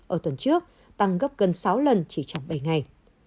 ở tuần trước tăng gấp gần sáu lần chỉ trong bảy ngày